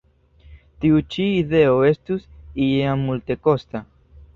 Tiu ĉi ideo estus ja multekosta.